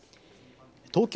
東京